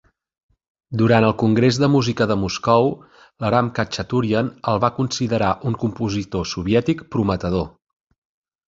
Durant el Congrés de Música de Moscou, l'Aram Khachaturian el va considerar un compositor soviètic prometedor.